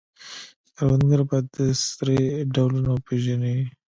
کروندګر باید د سرې ډولونه وپیژني.